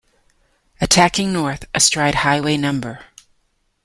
Attacking north, astride Highway No.